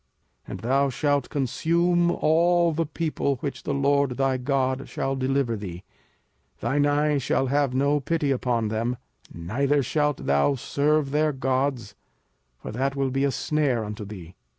05:007:016 And thou shalt consume all the people which the LORD thy God shall deliver thee; thine eye shall have no pity upon them: neither shalt thou serve their gods; for that will be a snare unto thee.